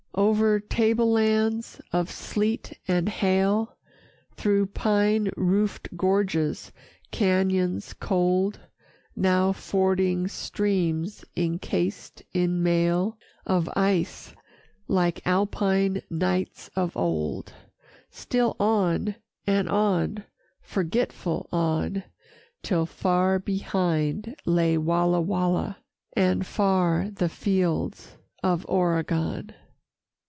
O'er table lands of sleet and hail, Through pine roofed gorges, cañons cold, Now fording streams incased in mail Of ice, like Alpine knights of old: Still on, and on, forgetful on, Till far behind lay Walla Walla, And far the fields of Oregon.